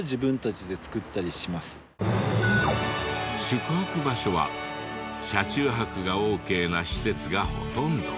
宿泊場所は車中泊がオーケーな施設がほとんど。